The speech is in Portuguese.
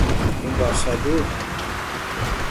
embaixador